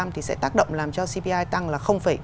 thì sẽ tác động làm cho cpi tăng là